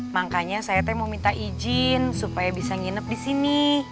makanya saya teh mau minta izin supaya bisa nginep di sini